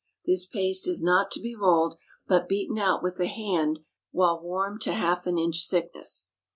This paste is not to be rolled, but beaten out with the hand while warm to half an inch thickness.